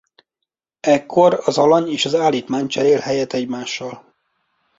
Ekkor az alany és az állítmány cserél helyet egymással.